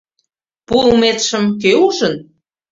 Пуыметшым кӧ ужын?